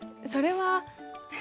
それは。